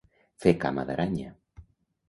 Fer cama d'aranya.